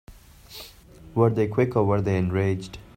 Were they quick or were they enraged?